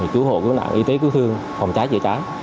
cứu hộ cứu nạn y tế cứu thương phòng trái dễ trái